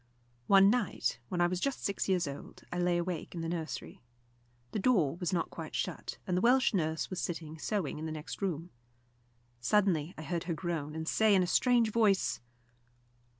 One night, when I was just six years old, I lay awake in the nursery. The door was not quite shut, and the Welsh nurse was sitting sewing in the next room. Suddenly I heard her groan, and say in a strange voice.